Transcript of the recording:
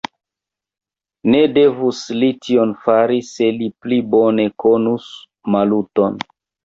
Ne devus li tion fari, se li pli bone konus Maluton!